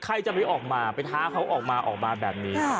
ใครจะไม่ออกมาไปท้าเขาออกมาออกมาแบบนี้